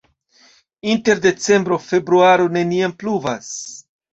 Inter decembro-februaro neniam pluvas.